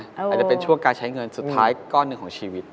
อาจจะเป็นช่วงการใช้เงินสุดท้ายก้อนหนึ่งของชีวิต